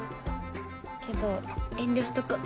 けど遠慮しとく。